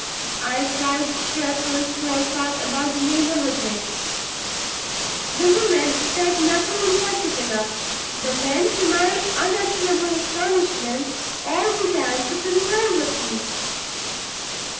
I tried cheerful small talk about the neighborhood next. The women said nothing in particular; the men, to my unutterable astonishment, all began to condole with me.